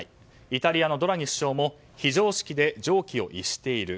イタリアのドラギ首相も非常識で常軌を逸している。